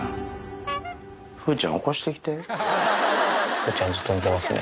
風ちゃんずっと寝てますね。